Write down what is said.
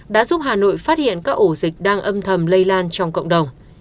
đã giúp hà nội phát hiện các ổ dịch đang âm thầm lây lan trong cộng đồng